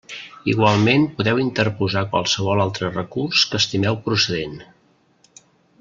Igualment podeu interposar qualsevol altre recurs que estimeu procedent.